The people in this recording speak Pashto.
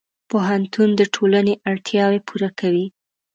پوهنتون د ټولنې اړتیاوې پوره کوي.